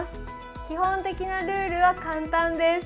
基本的なルールは簡単です。